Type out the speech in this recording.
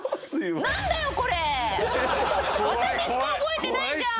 私しか覚えてないじゃん！